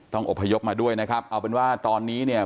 อบพยพมาด้วยนะครับเอาเป็นว่าตอนนี้เนี่ย